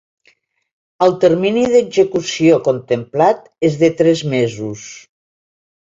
El termini d’execució contemplat és de tres mesos.